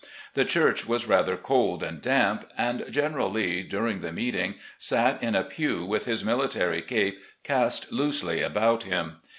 The church was rather cold and damp, and (General Lee, during the meeting, sat in a pew with his military cape cast loosely about him.